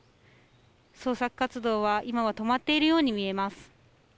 捜索活動は今は止まっているように見えます。